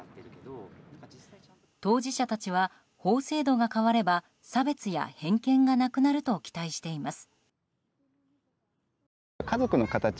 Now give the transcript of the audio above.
当事者たちは法制度が変われば差別や偏見がなくなると期待しています。